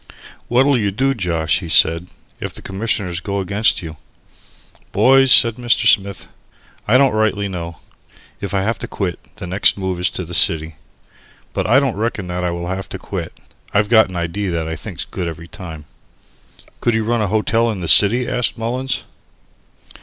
"What'll you do, Josh," he said, "if the Commissioners go against you?" "Boys," said Mr. Smith, "I don't rightly know. If I have to quit, the next move is to the city. But I don't reckon that I will have to quit. I've got an idee that I think's good every time." "Could you run a hotel in the city?" asked Mullins.